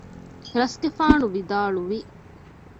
ރަސްގެފާނު ވިދާޅުވި